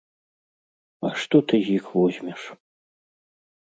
А што ты з іх возьмеш?